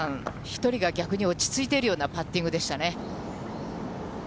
一人が逆に落ち着いているようなパッティングでしたね。